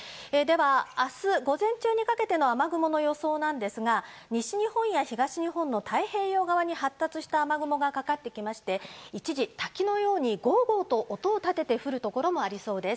明日午前中にかけての雨雲の予想なんですが西日本や東日本の太平洋側に発達した雨雲がかかってきて一時、滝のようにゴーゴーと音を立てて降るところもありそうです。